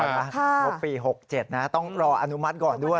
งบปี๖๗นะต้องรออนุมัติก่อนด้วย